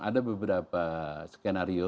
ada beberapa skenario